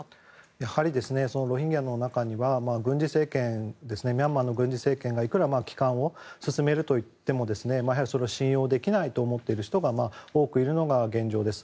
やはりロヒンギャの中にはミャンマーの軍事政権がいくら帰還を進めるといってもやはり信用できないと思っている人が多くいるのが現状です。